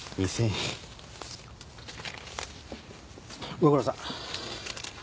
ご苦労さん。